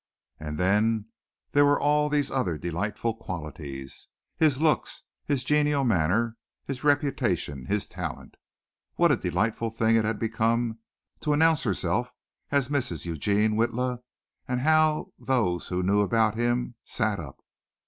And then there were all these other delightful qualities his looks, his genial manner, his reputation, his talent. What a delightful thing it had become to announce herself as Mrs. Eugene Witla and how those who knew about him sat up.